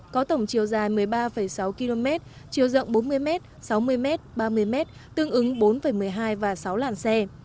có tổng chiều dài một mươi ba sáu km chiều rộng bốn mươi m sáu mươi m ba mươi m tương ứng bốn một mươi hai và sáu làn xe